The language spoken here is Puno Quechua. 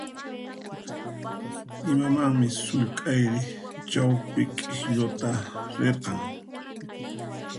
Imamanmi sullk'ayri chawpi k'iklluta rirqan?